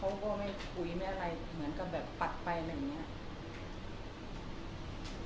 เขาก็ไม่คุยไม่อะไรเหมือนกับแบบปัดไปอะไรอย่างนี้